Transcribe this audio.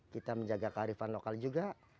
kita menjaga kearifan lokal juga